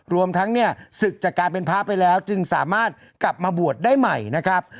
รวมทั้งเนี่ยศึกจากการเป็นพระไปแล้วจึงสามารถกลับมาบวชได้ใหม่นะครับ